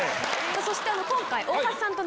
そして今回。